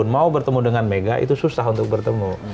mau bertemu dengan mega itu susah untuk bertemu